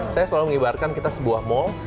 saya selalu mengibarkan kita sebuah mall